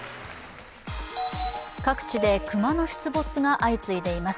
各地で熊の出没が相次いでいます。